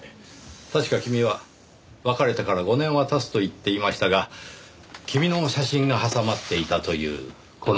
確か君は別れてから５年は経つと言っていましたが君の写真が挟まっていたというこの詩集。